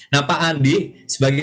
nah pak andi sebagai